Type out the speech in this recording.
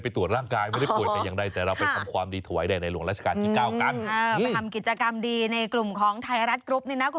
พรุ่งนี้เรายังไปไม่ได้เรามีภารกิจ